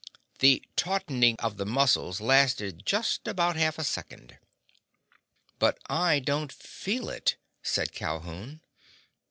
The tautening of the muscles lasted just about half a second. "But I don't feel it!" said Calhoun.